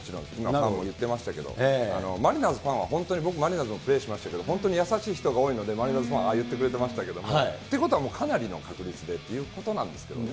ファンも言ってましたけど、マリナーズファンは、本当に僕、マリナーズでもプレーしましたけど、本当に優しい人が多いので、マリナーズファンはああ言ってくれてましたけれども、ということはかなりの確率でということなんですけどね。